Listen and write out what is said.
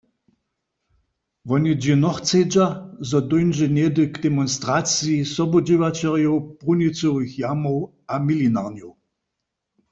Woni dźě nochcedźa, zo dóńdźe něhdy k demonstraciji sobudźěłaćerjow brunicowych jamow a milinarnjow.